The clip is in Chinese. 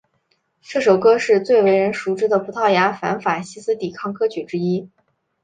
这首歌是最为人熟知的葡萄牙反法西斯抵抗歌曲之一。